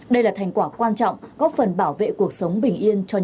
đây là thành quả quan trọng góp phần bảo vệ cuộc sống bình yên cho nhân dân